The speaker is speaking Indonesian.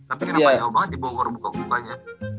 tapi kenapa jauh banget di bogor buka bukanya